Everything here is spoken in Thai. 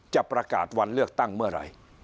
จะประกาศวันเลือกตั้งเมื่อไหร่